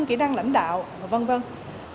kỹ năng lãnh đạo và v v